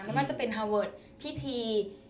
ไม่ว่าจะเป็นฮาเวิร์ดพิธี